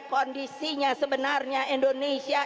kondisinya sebenarnya indonesia